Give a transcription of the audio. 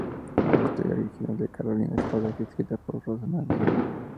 Es una historia original de Carolina Espada, escrita por Rossana Negrín.